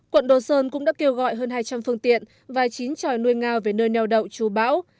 quận đồ sơn cũng đã kêu gọi hơn hai trăm linh phương tiện và chín tròi nuôi ngao về nơi neo đậu chú bão